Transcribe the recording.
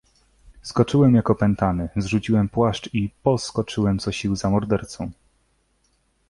"Skoczyłem, jak opętany, zrzuciłem płaszcz i poskoczyłem co sił za mordercą."